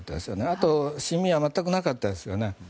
あと信義は全くなかったですよね。